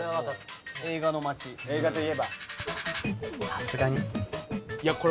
さすがに。